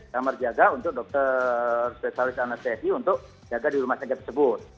kamar jaga untuk dokter spesialis anestesi untuk jaga di rumah sakit tersebut